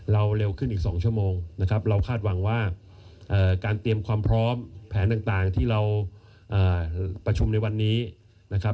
เร็วขึ้นอีก๒ชั่วโมงนะครับเราคาดหวังว่าการเตรียมความพร้อมแผนต่างที่เราประชุมในวันนี้นะครับ